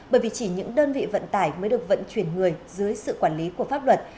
bởi vì chỉ những đơn vị vận tải mới được vận chuyển người dưới sự quản lý của pháp luật